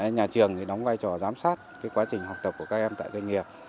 nhà trường đóng vai trò giám sát quá trình học tập của các em tại doanh nghiệp